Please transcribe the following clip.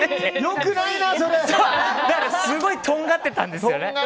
すごいとんがってたんですね。